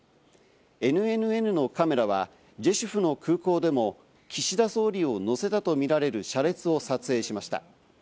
ＮＮＮのカメラはジェシュフの空港でも岸田総理を乗せたとみられる車列を撮影しました。